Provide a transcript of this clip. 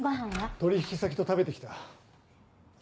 取引先と食べてきた。